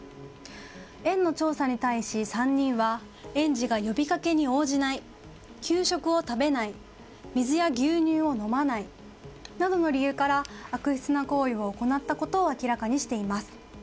園の調査に対し３人は園児が呼びかけに応じない給食を食べない水や牛乳を飲まないなどの理由から悪質な行為を行ったことを明らかにしています。